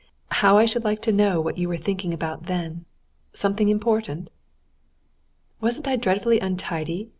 "How I should like to know what you were thinking about then! Something important?" "Wasn't I dreadfully untidy?"